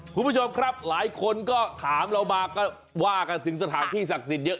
คุณผู้ชมครับหลายคนก็ถามเรามาก็ว่ากันถึงสถานที่ศักดิ์สิทธิ์เยอะ